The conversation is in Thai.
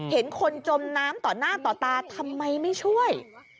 เห็นคนจมน้ำต่อหน้าต่อตาทำไมไม่ช่วย